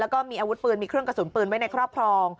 แล้วก็มีอาวุธปืนมีเครื่องกระสุนปืนไว้ในครอบครอง